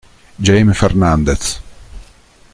Jaime Fernández